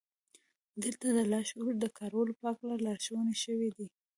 دلته د لاشعور د کارولو په هکله لارښوونې شوې دي